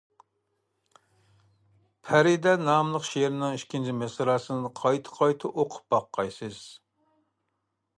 پەرىدە ناملىق شېئىرنىڭ ئىككىنچى مىسراسىنى قايتا قايتا ئوقۇپ باققايسىز.